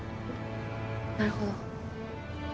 なるほど。